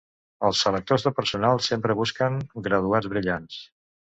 Els selectors de personal sempre busquen graduats brillants.